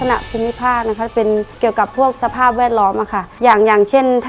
ในแคมเปญพิเศษเกมต่อชีวิตโรงเรียนของหนู